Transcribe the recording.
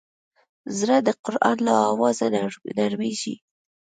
زړه د قرآن له اوازه نرمېږي.